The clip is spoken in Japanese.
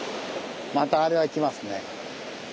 またあれは来ますね。